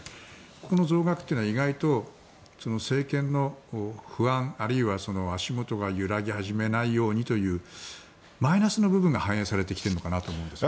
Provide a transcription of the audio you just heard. ここの増額というのは意外と政権の不安あるいは足元が揺らぎ始めないようにというマイナスの部分が反映されてきているのかなと思うんですが。